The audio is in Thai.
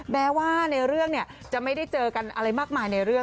แม้ว่าในเรื่องเนี่ยจะไม่ได้เจอกันอะไรมากมายในเรื่อง